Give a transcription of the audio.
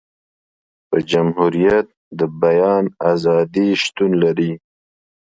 په جمهوريت د بیان ازادي شتون لري.